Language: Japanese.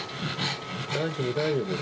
大丈夫、大丈夫。